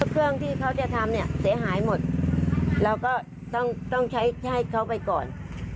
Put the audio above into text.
เครื่องที่เขาจะทำเนี่ยเสียหายหมดเราก็ต้องใช้ให้เขาไปก่อน